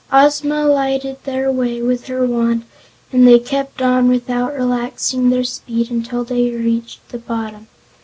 Ozma lighted their way with her wand and they kept on without relaxing their speed until they reached the bottom.